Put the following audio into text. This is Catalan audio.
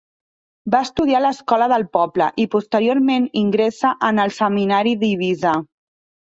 Va estudiar a l'escola del poble i posteriorment ingressa en el Seminari d'Eivissa.